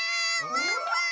ワンワン！